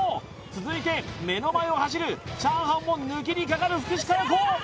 続いて目の前を走るチャーハンも抜きにかかる福士加代子